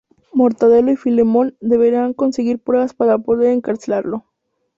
Mortadelo y Filemón deberán conseguir pruebas para poder encarcelarlo.